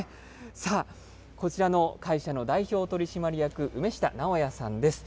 さあ、こちらの会社の代表取締役、梅下直也さんです。